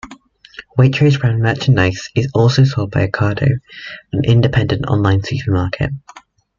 Waitrose brand merchandise is also sold by Ocado, an independent online supermarket.